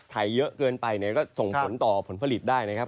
ถ่ายเยอะเกินไปก็ส่งผลต่อผลผลิตได้นะครับ